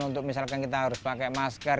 untuk misalkan kita harus pakai masker